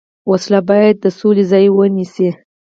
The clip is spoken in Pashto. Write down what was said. وسله باید د سولې ځای ونیسي